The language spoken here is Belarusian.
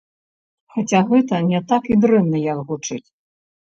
Хаця гэта не так і дрэнна, як гучыць.